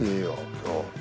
今日。